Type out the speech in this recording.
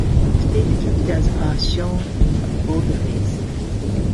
State capitals are shown in boldface.